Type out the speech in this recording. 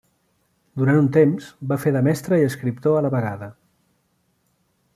Durant un temps va fer de mestre i escriptor a la vegada.